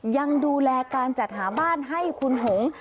ยังดูแลการจัดหาบ้านให้คุณหง